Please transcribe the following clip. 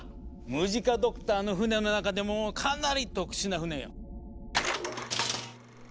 ムジカ・ドクターの船の中でもかなり特殊な船よ。